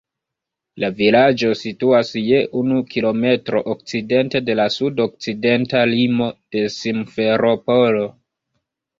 La vilaĝo situas je unu kilometro okcidente de la sud-okcidenta limo de Simferopolo.